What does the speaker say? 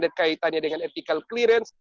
dan kaitannya dengan ethical clearance